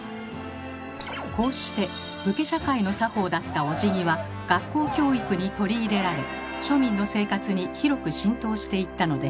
こうして武家社会の作法だったおじぎは学校教育に取り入れられ庶民の生活に広く浸透していったのです。